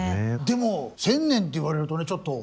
でも１０００年って言われるとねちょっと。